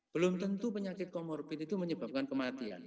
belum tentu penyakit komorbid itu menyebabkan kematian